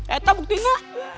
eh tak buktinya